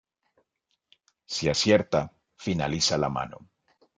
Si acierta, finaliza la mano.